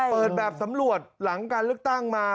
เปิดแบบสำรวจหลังการเลือกตั้งมา